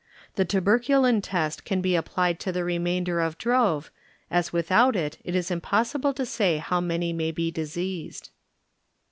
The tuber culin test can be applied to the remainder of drove, as without it it is impossible to say how many may be diseased.